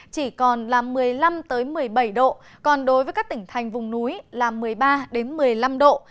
chỉ còn là một mươi năm một mươi bảy độ còn đối với các tỉnh thành vùng núi là một mươi ba một mươi năm độ